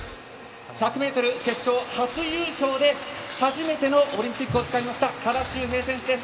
１００メートル決勝、初優勝で初めてのオリンピックをつかみました、多田修平選手です。